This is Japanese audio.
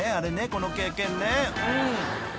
この経験ね］